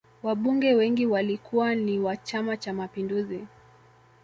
wabunge wengi walikuwa ni wa chama cha mapinduzi